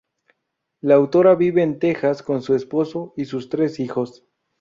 La autora vive en Texas con su esposo y sus tres hijos.